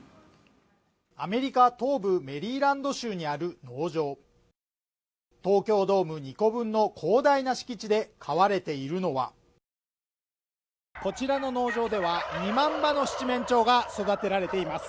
アメリカ東部メリーランド州にある農場東京ドーム２個分の広大な敷地で飼われているのはこちらの農場では２万羽の七面鳥が育てられています